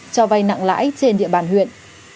cho vai nặng lãi trên địa bàn huyện